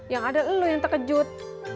yang ada lu yang terkejut